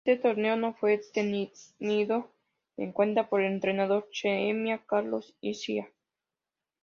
Ese torneo no fue tenido en cuenta por el entrenador xeneize Carlos Ischia.